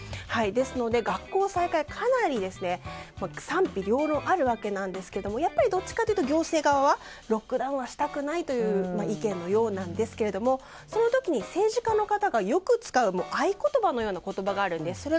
ですので学校再開はかなり賛否両論あるわけなんですがやっぱりどっちかというと行政側はロックダウンはしたくないという意見のようなんですけれどもその時に政治家の方がよく使う合言葉のような言葉があるんです。